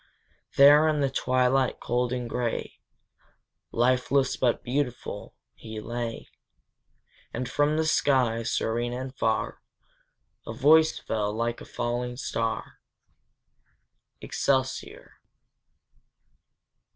There in the twilight cold and gray, Lifeless, but beautiful, he lay, And from the sky, serene and far, A voice fell, like a falling star, Excelsior!